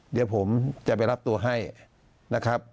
เดี๋ยวผมจะไปรับตัวให้นะครับ